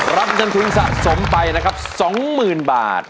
รับเงินทุนสะสมไปนะครับ๒๐๐๐บาท